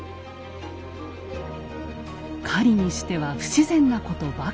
狩りにしては不自然なことばかり。